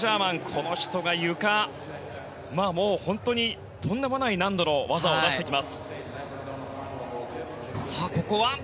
この人がゆかで本当にとんでもない難度の技を出してきます。